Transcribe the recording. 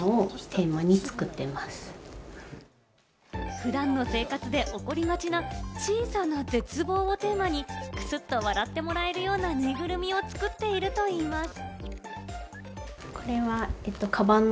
普段の生活で起こりがちな、小さな絶望をテーマにクスッと笑ってもらえるような、ぬいぐるみを作っているといいます。